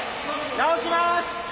直します！